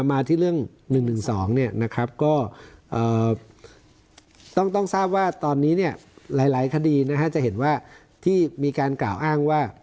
มาที่เรื่อง๑๑๒ก็ต้องทราบว่าตอนนี้เนี่ยหลายคดีจะเห็นว่าที่มีการกล่าวอ้างว่า